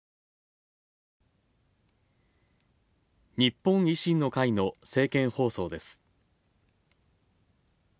日本維新の会の政見放送です。